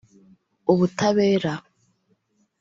Ubutabera